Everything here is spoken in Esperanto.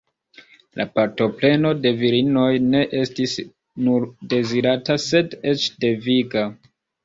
La partopreno de virinoj ne estis nur dezirata sed eĉ deviga.